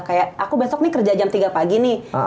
kayak aku besok nih kerja jam tiga pagi nih